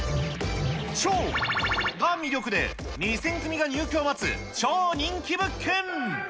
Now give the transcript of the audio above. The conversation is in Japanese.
超×××が魅力で、２０００組が入居を待つ超人気物件。